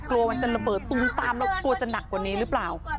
กลัวมันจะระเบิดตุ้มตามแล้วกลัวจะหนักกว่านี้หรือเปล่า